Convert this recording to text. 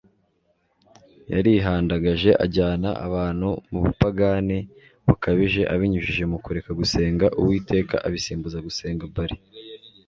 yarihandagaje ajyana abantu mu bupagani bukabije abinyujije mu kureka gusenga Uwiteka abisimbuza gusenga Bali